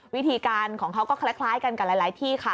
วิธีการของเขาก็คล้ายกันกับหลายที่ค่ะ